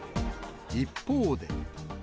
一方で。